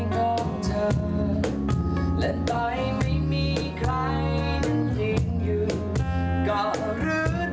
ก็ที่ตรงนั้นเป็นที่ที่เรียกว่าหัวใจ